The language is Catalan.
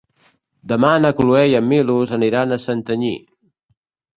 Demà na Cloè i en Milos aniran a Santanyí.